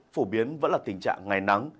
phổ biến vẫn là tình trạng ngày nắng